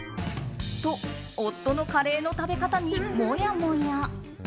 と、夫のカレーの食べ方にもやもや。